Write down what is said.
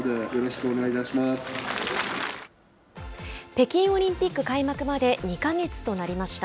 北京オリンピック開幕まで２か月となりました。